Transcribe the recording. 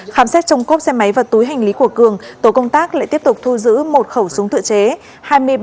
khám xét trong cốp xe máy và túi hành lý của cường tổ công tác lại tiếp tục thu giữ một khẩu súng tự chế